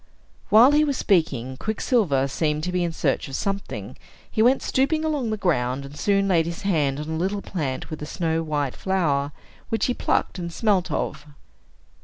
While he was speaking, Quicksilver seemed to be in search of something; he went stooping along the ground, and soon laid his hand on a little plant with a snow white flower, which he plucked and smelt of.